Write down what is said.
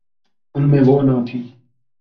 ان میں وہ نہ تھی۔